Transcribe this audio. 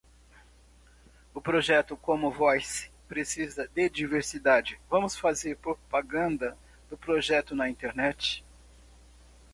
O projeto commonvoice precisa de diversidade, vamos fazer propaganda do projeto na internet